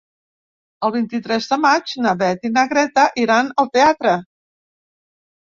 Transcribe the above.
El vint-i-tres de maig na Beth i na Greta iran al teatre.